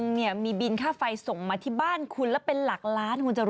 เดี๋ยวแปลกหน้าเอามาให้คุณผู้ชมดูนะ